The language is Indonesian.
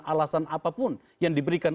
alasan apapun yang diberikan